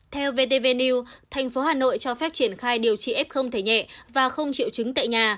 theo vtv new thành phố hà nội cho phép triển khai điều trị f thể nhẹ và không triệu chứng tại nhà